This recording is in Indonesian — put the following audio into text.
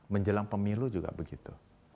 menjelang pemilu juga begitu